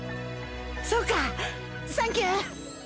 そっかサンキュー！